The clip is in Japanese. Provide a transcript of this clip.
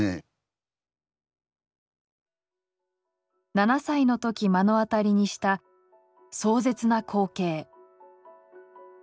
７歳のとき目の当たりにした壮絶な光景。